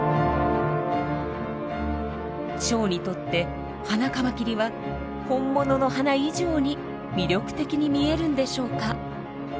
チョウにとってハナカマキリは本物の花以上に魅力的に見えるんでしょうか？